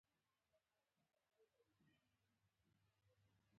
رسول یې سمدستي پوښتنې ته ورغی او شفقت یې پرې وکړ.